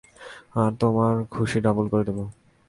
আর তোমার খুশি ডাবল করে দিবে।